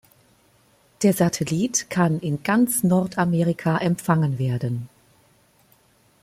Der Satellit kann in ganz Nordamerika empfangen werden.